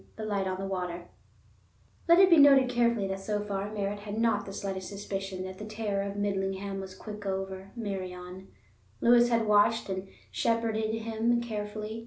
The Light on the Water Let it be noted carefully that so far Merritt had not the slightest suspicion that the terror of Midlingham was quick over Meirion. Lewis had watched and shepherded him carefully.